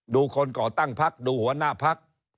ดูคนก่อตั้งพักดูหัวหน้าพัก